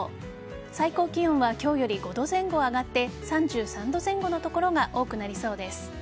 最高気温は今日より５度前後上がって３３度前後の所が多くなりそうです。